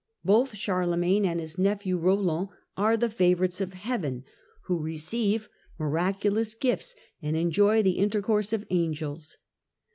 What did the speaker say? Both Charlemagne and his nephew Roland are the favourites of heaven, who receive miraculous gifts and enjoy the intercourse of angels.